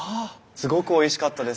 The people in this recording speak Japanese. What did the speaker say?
すごくおいしかったです。